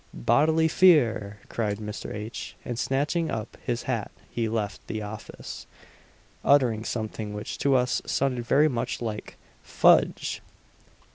"Bodily fear!" cried Mr. H. and snatching up his hat he left the office, uttering something which to us sounded very much like "_Fudge!